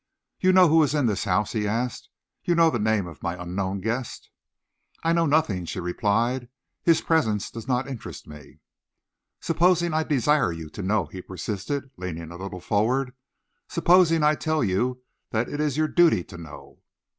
"You know who is in this house?" he asked. "You know the name of my unknown guest?" "I know nothing," she replied. "His presence does not interest me." "Supposing I desire you to know?" he persisted, leaning a little forward. "Supposing I tell you that it is your duty to know?"